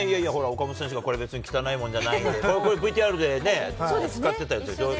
岡本選手がこれ、別に汚いものじゃないと、ＶＴＲで使ってたやつでしょう。